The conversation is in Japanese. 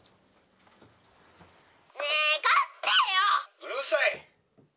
うるさい！